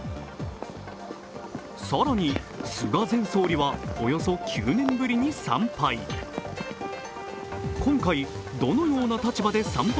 更に菅前総理はおよそ９年ぶりに参拝。